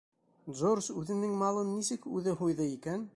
— Джордж үҙенең малын нисек үҙе һуйҙы икән?